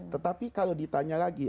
tetapi kalau ditanya lagi